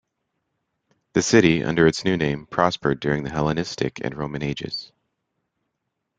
The city, under its new name, prospered during the Hellenistic and Roman Ages.